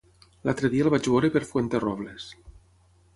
L'altre dia el vaig veure per Fuenterrobles.